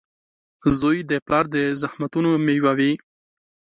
• زوی د پلار د زحمتونو مېوه وي.